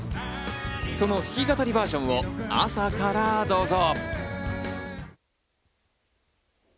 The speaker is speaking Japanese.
その弾き語りバージョンを朝から、どうぞ。